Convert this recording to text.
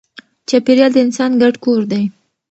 چاپېریال د انسان ګډ کور دی.